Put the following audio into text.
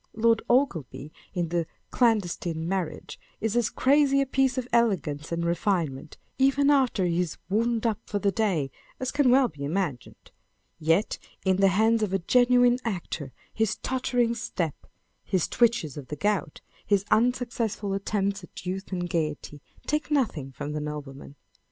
Lord Ogleby, in the Clandestine Marriage, is as crazy a piece of elegance and refinement, even after lie is " wound up for the day," as can well be imagined ; yet in the hands of a genuine actor, his tottering step, his twitches of the gout, his un successful attempts at youth and gaiety, take nothing from the nobleman.